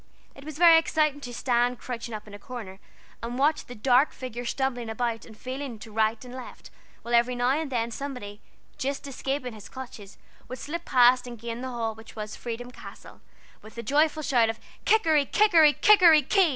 It was very exciting to stand crouching up in a corner and watch the dark figure stumbling about and feeling to right and left, while every now and then somebody, just escaping his clutches, would slip past and gain the hall, which was "Freedom Castle," with a joyful shout of "Kikeri, Kikeri, Kikeri, Ki!"